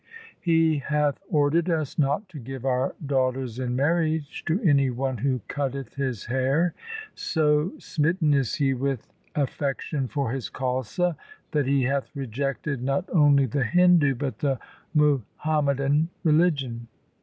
He hath ordered us not to give our daugh ters in marriage to any one who cutteth his hair. So smitten is he with affection for his Khalsa, that he hath rejected not only the Hindu but the Muham madan religion.